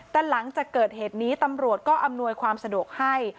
แต่หลังจากเกิดเหตุนี้ตำรวจก็อำนวยความสะดวกให้